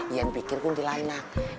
ian pikir kumtil anak